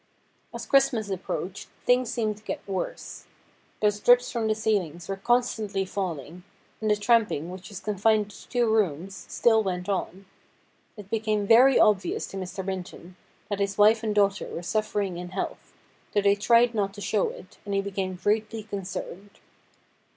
As Christmas approached things seemed to get worse. Those drips from the ceilings were constantly falling, and the tramping, which was confined to two rooms, still went on. It became very obvious to Mr. Minton that his wife and daughter were suffering in health, though they tried not to show it, and he became greatly concerned.